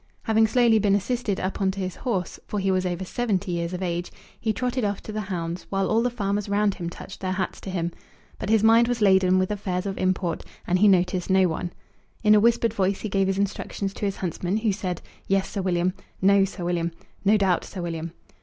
Having slowly been assisted up on to his horse, for he was over seventy years of age, he trotted off to the hounds, while all the farmers round him touched their hats to him. But his mind was laden with affairs of import, and he noticed no one. In a whispered voice he gave his instructions to his huntsman, who said, "Yes, Sir William," "No, Sir William," "No doubt, Sir William."